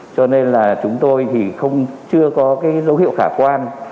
cho nên là chúng tôi thì không chưa có cái dấu hiệu khả quan